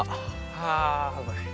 ああうまい。